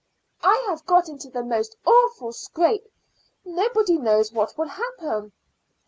I have got into the most awful scrape; nobody knows what will happen.